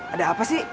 ada apa sih